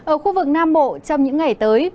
ở khu vực nam bộ trong những ngày tới